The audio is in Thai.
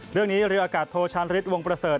เรื่องนี้เรียกอากาศโทรชันฤทธิ์วงประเสริฐ